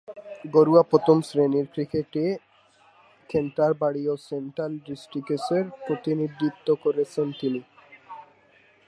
ঘরোয়া প্রথম-শ্রেণীর ক্রিকেটে ক্যান্টারবারি ও সেন্ট্রাল ডিস্ট্রিক্টসের প্রতিনিধিত্ব করেছেন তিনি।